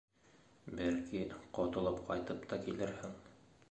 Бәлки, ҡотолоп ҡайтып та килерһең.